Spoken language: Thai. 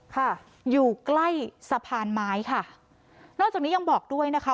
ค่ะอยู่ใกล้สะพานไม้ค่ะนอกจากนี้ยังบอกด้วยนะคะ